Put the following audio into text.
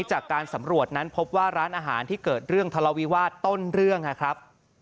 จากการสำรวจนั้นพบว่าร้านอาหารที่เกิดเรื่องทะเลาวิวาสต้นเรื่องนะครับ